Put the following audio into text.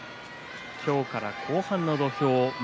今日から後半の土俵です。